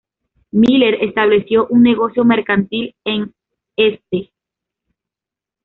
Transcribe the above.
Miller estableció un negocio mercantil en St.